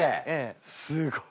すごい。